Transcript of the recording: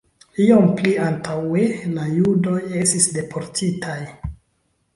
Iom pli antaŭe la judoj estis deportitaj.